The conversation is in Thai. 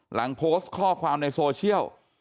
หลังโพสต์ข้อความในโซเชียล